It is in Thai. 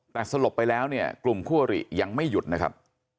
แต่สลบไปแล้วเนี่ยกลุ่มคั่วหรี่ยังไม่หยุดนะครับ